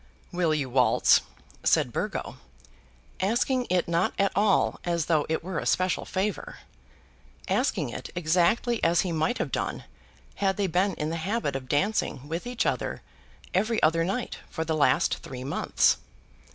"Will you waltz?" said Burgo, asking it not at all as though it were a special favour, asking it exactly as he might have done had they been in the habit of dancing with each other every other night for the last three months.